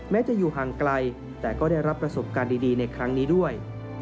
จะอยู่ห่างไกลแต่ก็ได้รับประสบการณ์ดีในครั้งนี้ด้วย